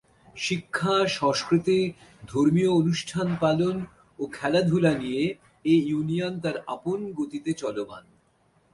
শিক্ষা, সংস্কৃতি, ধর্মীয় অনুষ্ঠান পালন ও খেলাধুলা নিয়ে এ ইউনিয়ন তার আপন গতিতে চলমান।